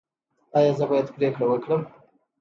ایا زه باید پریکړه وکړم؟